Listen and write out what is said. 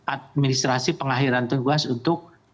administrasi pengakhiran tugas untuk